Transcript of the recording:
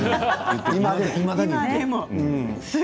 今でも。